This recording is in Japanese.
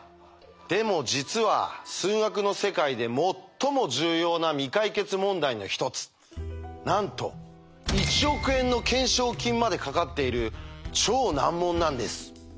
でも実は数学の世界で最も重要な未解決問題の一つなんと１億円の懸賞金までかかっている超難問なんです。